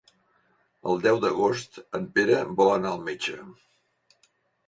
El deu d'agost en Pere vol anar al metge.